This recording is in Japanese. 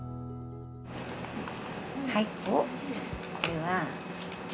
はい。